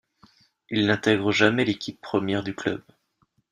Il n'intègre jamais l'équipe première du club.